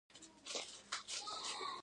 دوی تل هماغه ډنګوي چې غوږونه کاڼه کړي دي.